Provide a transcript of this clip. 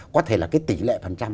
có thể là cái tỷ lệ phần trăm